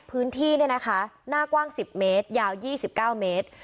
พื้นที่เนี่ยนะคะหน้ากว้าง๑๐เมตรยาว๒๙เมตร